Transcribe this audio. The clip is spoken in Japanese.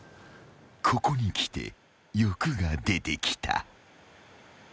［ここにきて欲が出てきた］